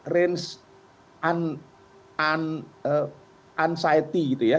range anxiety gitu ya